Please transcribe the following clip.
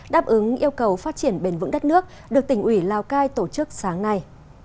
đáp ứng yêu cầu phát triển bền vững đất nước được tỉnh ủy lào cai tổ chức sáng nay